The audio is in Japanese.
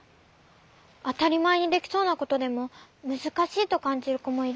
あたりまえにできそうなことでもむずかしいとかんじるこもいるんだね。